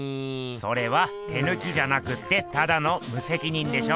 それは手ぬきじゃなくってただのむせきにんでしょ！